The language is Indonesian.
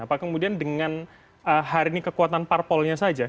apa kemudian dengan hari ini kekuatan parpolnya saja